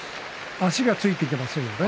足がついていきませんね。